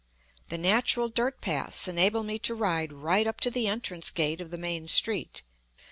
The natural dirt paths enable me to ride right up to the entrance gate of the main street.